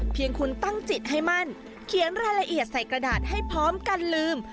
เพียงคุณตั้งจิตให้มั่นเขียนรายละเอียดใส่กระดาษให้พร้อมกันลืม